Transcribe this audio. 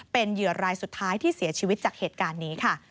เป็นเหยื่อรายสุดท้ายที่เสียชีวิตจากเหตุการณ์นี้ค่ะ